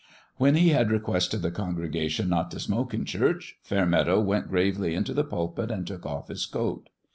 When he had requested the congre gation not to smoke in church, Fairmeadow went gravely into the pulpit and took off his coat.